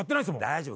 大丈夫。